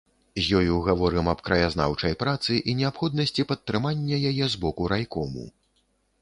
З ёю гаворым аб краязнаўчай працы і неабходнасці падтрымання яе з боку райкому.